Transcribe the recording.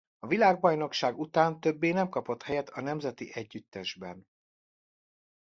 A világbajnokság után többé nem kapott helyet a nemzeti együttesben.